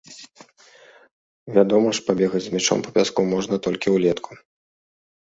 Вядома ж, пабегаць з мячом па пяску можна толькі ўлетку.